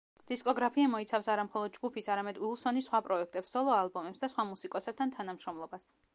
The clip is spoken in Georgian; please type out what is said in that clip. დისკოგრაფია მოიცავს არა მხოლოდ ჯგუფის, არამედ უილსონის სხვა პროექტებს, სოლო-ალბომებს და სხვა მუსიკოსებთან თანამშრომლობას.